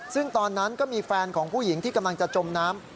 ซึ่งตอนนั้นก็มีแฟนของผู้หญิงที่กำลังจะจมน้ำ